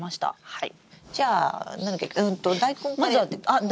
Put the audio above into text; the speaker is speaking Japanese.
はい。